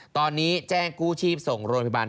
ตอนนี้แจ้งกู้ชีพส่งโรงพยาบาล